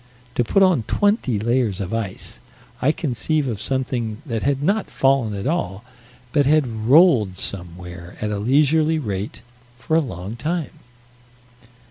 To put on twenty layers of ice, I conceive of something that had not fallen at all, but had rolled somewhere, at a leisurely rate, for a long time.